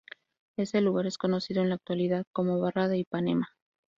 Ese lugar es conocido en la actualidad como Barra de Ipanema.